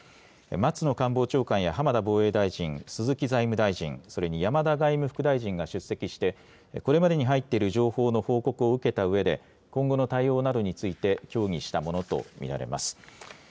松野官房長官や浜田防衛大臣、鈴木財務大臣それに山田外務副大臣が出席してこれまでに入っている情報の報告を受けたうえで今後の対応などについて協議したものと見られます。